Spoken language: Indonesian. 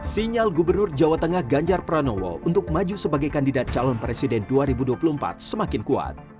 sinyal gubernur jawa tengah ganjar pranowo untuk maju sebagai kandidat calon presiden dua ribu dua puluh empat semakin kuat